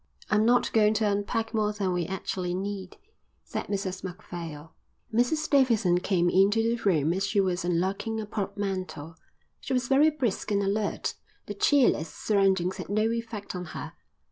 "I'm not going to unpack more than we actually need," said Mrs Macphail. Mrs Davidson came into the room as she was unlocking a portmanteau. She was very brisk and alert. The cheerless surroundings had no effect on her.